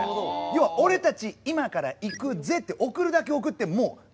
要は俺たち今から行くぜって送るだけ送ってもう突入したわけです。